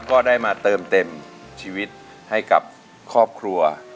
ก็ได้มาเติมเต็มชีวิตให้กับครอบครัว